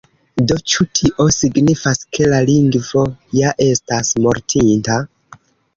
Do, ĉu tio signifas ke la lingvo ja estas mortinta?